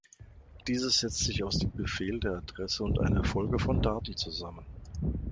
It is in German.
Dieses setzt sich aus dem Befehl, der Adresse und einer Folge von Daten zusammen.